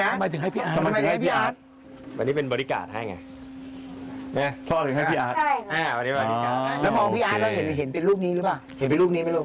มายุ่งพี่อาร์ทเห็นเป็นรูปนี้มั้ยว่า